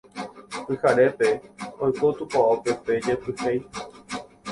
Pyharépe oiko tupãópe pe jepyhéi